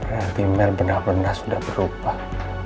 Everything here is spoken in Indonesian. nanti benar benar sudah berubah